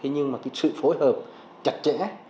nhưng sự phối hợp chặt chẽ